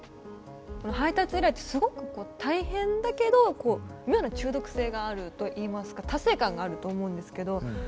配達依頼ってすごく大変だけどこう妙な中毒性があるといいますか達成感があると思うんですけど。